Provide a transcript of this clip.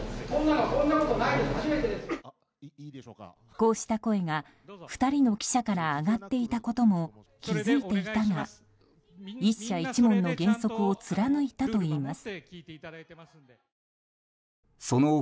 こうした声が、２人の記者から上がっていたことも気づいていたが１社１問の原則を貫いたといいます。